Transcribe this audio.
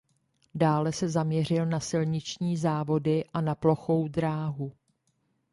Dále se zaměřil na silniční závody a na plochou dráhu.